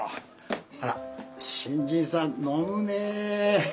あら新人さん飲むね。